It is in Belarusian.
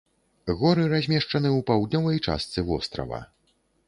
Горы размешчаны ў паўднёвай частцы вострава.